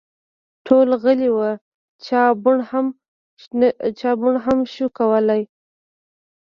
ټول غلي وه ، چا بوڼ هم شو کولی !